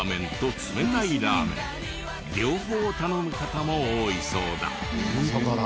両方頼む方も多いそうだ。